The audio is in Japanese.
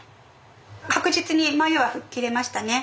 確実に迷いは吹っ切れましたね。